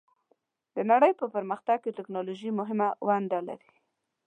د نړۍ په پرمختګ کې ټیکنالوژي مهمه ونډه لري.